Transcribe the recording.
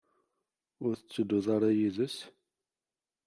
Ur tettedduḍ ara yid-s?